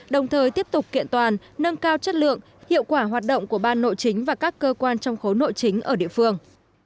đồng thời tiếp tục kiện toàn nâng cao chất lượng hiệu quả hoạt động của ban nội chính và các cơ quan trong khối nội chính ở địa phương